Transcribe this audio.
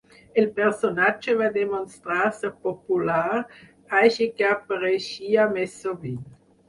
El personatge va demostrar ser popular, així que apareixia més sovint.